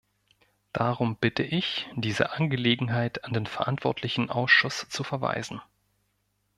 Darum bitte ich, diese Angelegenheit an den verantwortlichen Ausschuss zu verweisen.